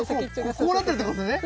これがこうなってるってことですね。